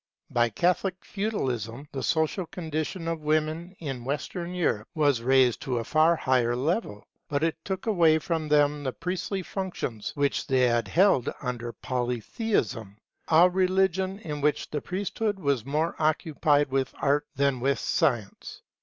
By Catholic Feudalism the social condition of women in Western Europe was raised to a far higher level. But it took away from them the priestly functions which they had held under Polytheism; a religion in which the priesthood was more occupied with Art than with Science.